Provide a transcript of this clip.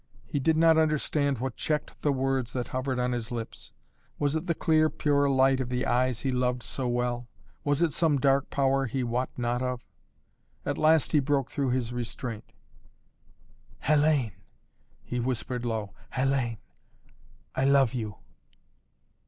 He did not understand what checked the words that hovered on his lips. Was it the clear pure light of the eyes he loved so well? Was it some dark power he wot not of? At last he broke through his restraint. "Hellayne " he whispered low. "Hellayne I love you!"